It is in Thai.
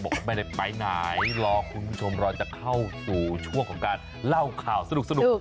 ไม่ได้ไปไหนรอคุณผู้ชมรอจะเข้าสู่ช่วงของการเล่าข่าวสนุก